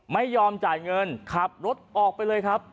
ไม่ยอมจ่ายเงินขับรถออกไปเลยครับ